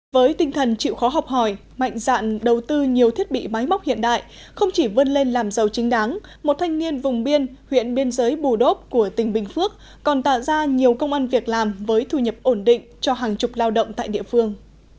với tinh thần chịu khó học hỏi mạnh dạn đầu tư nhiều thiết bị máy móc hiện đại không chỉ vươn lên làm giàu chính đáng một thanh niên vùng biên huyện biên giới bù đốp của tỉnh bình phước còn tạo ra nhiều công an việc làm với thu nhập ổn định cho hàng chục lao động tại địa phương